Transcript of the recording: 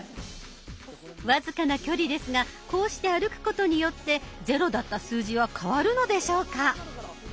僅かな距離ですがこうして歩くことによってゼロだった数字は変わるのでしょうか？